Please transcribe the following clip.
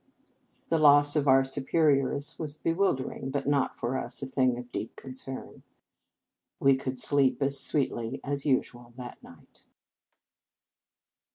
The loss of our Superioress was be wildering, but not, for us, a thing of deep concern. We should sleep as sweetly as usual that night.